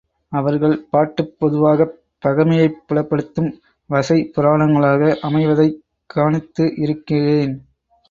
அவர்கள் பாட்டுப் பொதுவாகப் பகைமையைப் புலப்படுத்தும் வசை புராணங்களாக அமைவதைக் கவனித்து இருக்கிறேன்.